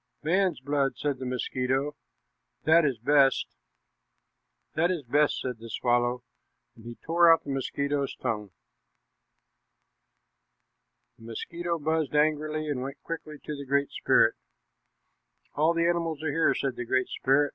"Man's blood," said the mosquito; "that is best." "This is best," said the swallow, and he tore out the mosquito's tongue. The mosquito buzzed angrily and went quickly to the Great Spirit. "All the animals are here," said the Great Spirit.